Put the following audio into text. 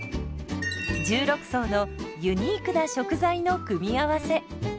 １６層のユニークな食材の組み合わせ。